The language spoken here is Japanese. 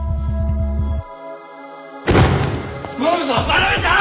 真鍋さん。